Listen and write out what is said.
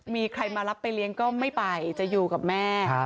มีใครมารับไปเลี้ยงก็ไม่ไปจะอยู่กับแม่